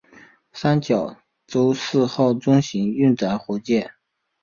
三角洲四号中型运载火箭。